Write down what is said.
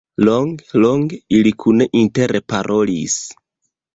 Longe, longe ili kune interparolis.